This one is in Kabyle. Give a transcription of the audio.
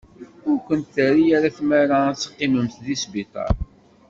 Ur kent-terri ara tmara ad teqqimemt deg sbiṭar.